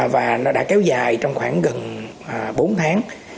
và nó đã kéo dài trong khoảng gần bốn tháng